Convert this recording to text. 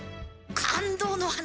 感動の話！